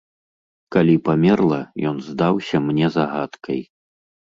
Калі памерла, ён здаўся мне загадкай.